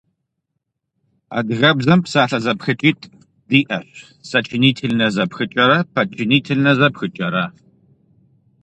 Адыгэбзэм псалъэ зэпхыкӏитӏ диӏэщ: сочинительнэ зэпхыкӏэрэ подчинительнэ зэпхыкӏэрэ.